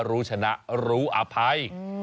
รู้ชนะรู้อภัย